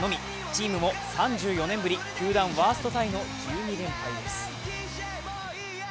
チームも３４年ぶり、球団ワーストタイの１２連敗です。